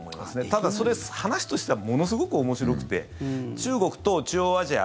ただそれ、話としてはものすごく面白くて中国と中央アジア